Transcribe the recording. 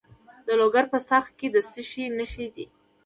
د لوګر په څرخ کې د څه شي نښې دي؟